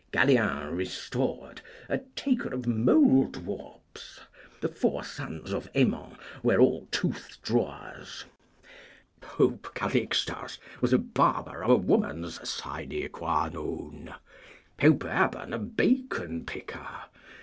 Galien Restored, a taker of moldwarps. The four sons of Aymon were all toothdrawers. Pope Calixtus was a barber of a woman's sine qua non. Pope Urban, a bacon picker.